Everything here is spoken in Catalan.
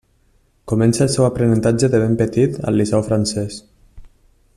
Comença el seu aprenentatge de ben petit al Liceu Francès.